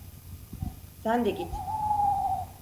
Sen de git.